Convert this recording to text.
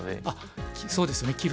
あっそうですね。